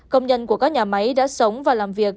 công nhân của các nhà máy đã sống và làm việc